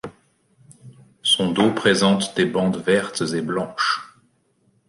Son dos présente des bandes vertes et blanches.